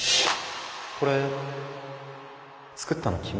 これ作ったの君？